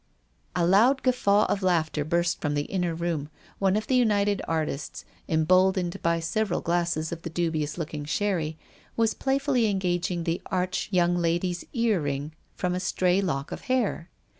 A loud guffaw of laughter burst from the inner room. One of the United Artists, em boldened by several glasses of the dubious looking sherry, was playfully disengaging the arch young lady's earrings from a stray lock of hair.